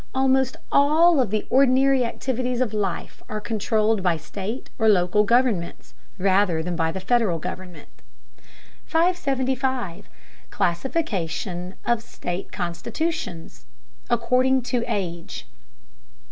Almost all of the ordinary activities of life are controlled by state or local governments, rather than by the Federal government. 575. CLASSIFICATION OF STATE CONSTITUTIONS: ACCORDING TO AGE.